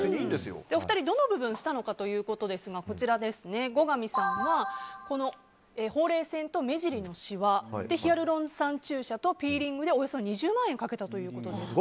お二人どの部分をしたのかということですが、後上さんはほうれい線と目尻のしわヒアルロン酸注射とピーリングでおよそ２０万円かけたということです。